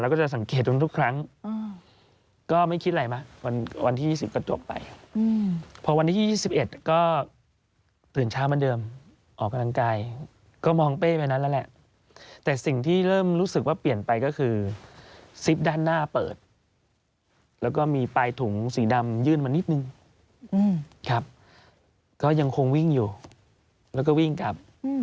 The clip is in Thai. ออกกำลังกายก็มองเป้นไปนั้นแล้วแหละแต่สิ่งที่เริ่มรู้สึกว่าเปลี่ยนไปก็คือซิปด้านหน้าเปิดแล้วก็มีปลายถุงสีดำยื่นมานิดนึงครับก็ยังคงวิ่งอยู่แล้วก็วิ่งกลับ